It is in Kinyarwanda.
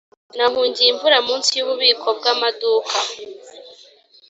nahungiye imvura munsi yububiko bwamaduka.